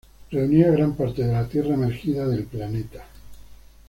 Reunía gran parte de la tierra emergida del planeta.